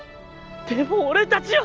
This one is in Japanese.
でも俺たちは！